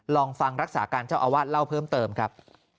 ลองฟังรักษาการเจ้าอาวาสเล่าเพิ่มเติมครับ